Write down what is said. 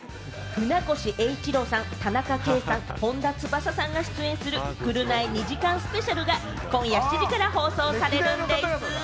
船越英一郎さん、田中圭さん、本田翼さんが出演する『ぐるナイ』２時間スペシャルが今夜７時から放送されるんでぃす。